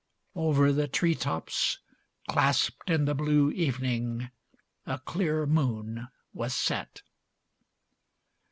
Over the treetops, clasped In the blue evening, a clear moon was set.